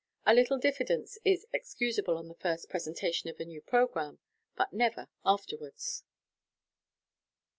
A little diffidence is excusable on the first presen tation of a new programme, but never afterwards.